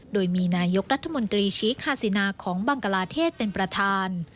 โดยมีนายกรัฐมนตรีชี้คาซินาของบังกลาเทศเป็นประธาน